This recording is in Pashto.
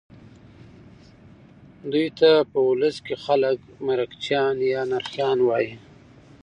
دوی ته په ولس کې خلک مرکچیان یا نرخیان وایي.